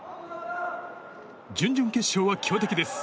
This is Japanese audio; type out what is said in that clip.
準々決勝は強敵です。